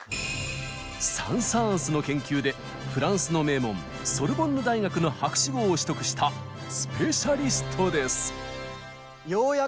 サン・サーンスの研究でフランスの名門ソルボンヌ大学の博士号を取得したスペシャリストです。